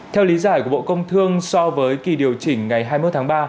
theo lý giải của bộ công thương so với kỳ điều chỉnh ngày hai mươi một tháng ba